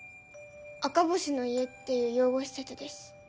「あかぼしの家」っていう養護施設です。